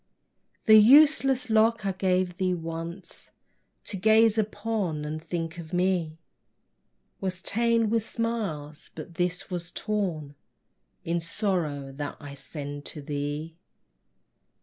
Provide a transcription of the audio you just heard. The useless lock I gave thee once, To gaze upon and think of me, Was ta'en with smiles, but this was torn In sorrow that I send to thee!